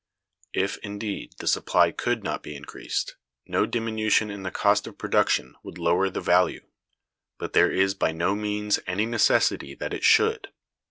If, indeed, the supply could not be increased, no diminution in the cost of production would lower the value; but there is by no means any necessity that it should.